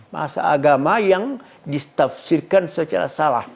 bahasa agama yang ditafsirkan secara salah